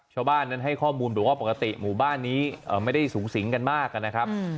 ชาวบ้านนั้นให้ข้อมูลบอกว่าปกติหมู่บ้านนี้ไม่ได้สูงสิงกันมากนะครับ